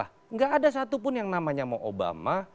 tidak ada satupun yang namanya mau obama